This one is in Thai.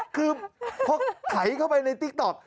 คือพอไถเข้าไปในติ๊กต๊อก